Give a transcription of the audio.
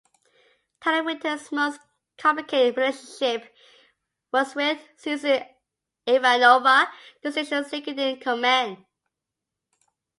Talia Winters's most complicated relationship was with Susan Ivanova, the station's second-in-command.